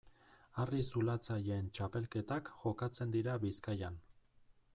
Harri-zulatzaileen txapelketak jokatzen dira Bizkaian.